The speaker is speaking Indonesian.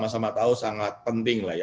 sama sama tahu sangat penting lah ya